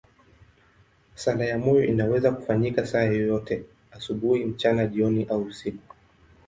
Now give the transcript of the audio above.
Sala ya moyo inaweza kufanyika saa yoyote, asubuhi, mchana, jioni au usiku.